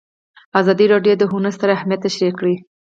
ازادي راډیو د هنر ستر اهميت تشریح کړی.